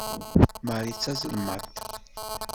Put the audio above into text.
Marie d tazelmaḍt.